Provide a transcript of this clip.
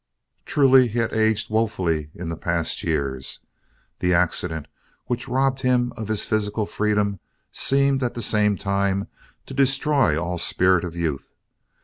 Truly he had aged woefully in the past years. The accident which robbed him of his physical freedom seemed, at the same time, to destroy all spirit of youth.